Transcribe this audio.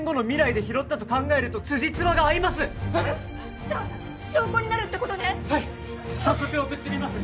「拾ったと考えると辻褄が合います」えっ？じゃ証拠になるってことねはい早速送ってみます